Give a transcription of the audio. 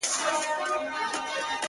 له خپله سیوري خلک ویریږي،